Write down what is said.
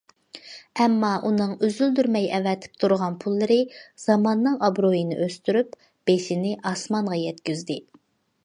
ئەمما ئۇنىڭ ئۈزۈلدۈرمەي ئەۋەتىپ تۇرغان پۇللىرى زاماننىڭ ئابرۇيىنى ئۆستۈرۈپ، بېشىنى ئاسمانغا يەتكۈزدى.